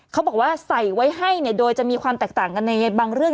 เขาบอกว่าใส่ไว้ให้เนี่ยโดยจะมีความแตกต่างกันในบางเรื่อง